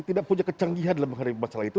tidak punya kecanggihan dalam menghadapi masalah itu